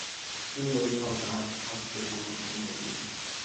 তিনি ঐ ফল তাহার হস্তে সমর্পণ করিলেন।